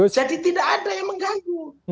jadi tidak ada yang mengganggu